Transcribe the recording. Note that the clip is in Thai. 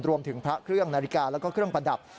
รวมถึงพระเครื่องนาฬิกาแล้วก็เครื่องประดับ